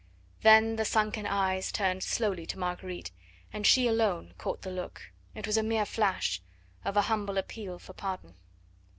Then the sunken eyes turned slowly to Marguerite, and she alone caught the look it was a mere flash, of a humble appeal for pardon.